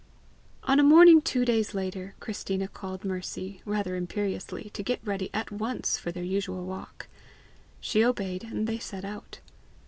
On a morning two days later, Christina called Mercy, rather imperiously, to get ready at once for their usual walk. She obeyed, and they set out.